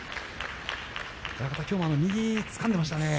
親方、きょうも右をつかんでいましたね。